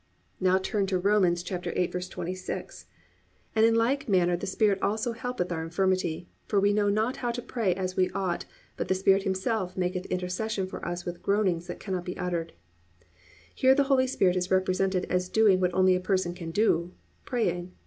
(2) Now turn to Rom. 8:26 +"And in like manner the Spirit also helpeth our infirmity: for we know not how to pray as we ought but the spirit himself maketh intercession for us with groanings that cannot be uttered."+ Here the Holy Spirit is represented as doing what only a person can do, praying.